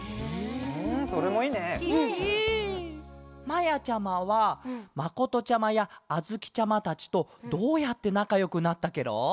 まやちゃまはまことちゃまやあづきちゃまたちとどうやってなかよくなったケロ？